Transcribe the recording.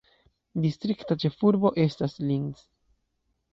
Distrikta ĉefurbo estas Linz.